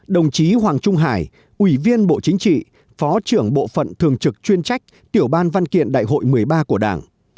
đồng chí hoàng trung hải ủy viên bộ chính trị phó trưởng bộ phận thường trực chuyên trách tiểu ban văn kiện đại hội một mươi ba của đảng